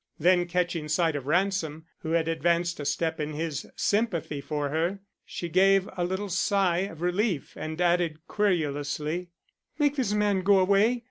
Then catching sight of Ransom, who had advanced a step in his sympathy for her, she gave a little sigh of relief and added querulously: "Make this man go away.